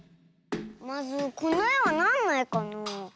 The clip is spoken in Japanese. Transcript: まずこのえはなんのえかなあ。